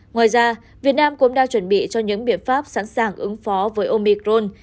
ngoài ra việt nam cũng đang chuẩn bị cho những biện pháp sẵn sàng ứng phó với omicron